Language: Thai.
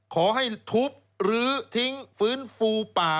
ขอให้ทุบหรือทิ้งฟื้นฟูป่า